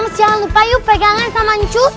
mams jangan lupa yuk pegangan sama cu